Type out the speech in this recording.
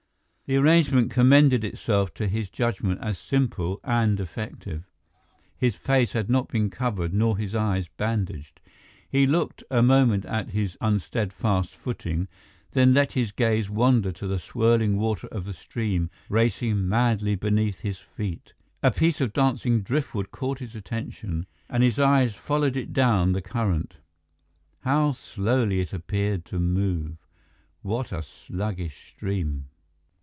The arrangement commended itself to his judgement as simple and effective. His face had not been covered nor his eyes bandaged. He looked a moment at his "unsteadfast footing," then let his gaze wander to the swirling water of the stream racing madly beneath his feet. A piece of dancing driftwood caught his attention and his eyes followed it down the current. How slowly it appeared to move! What a sluggish stream!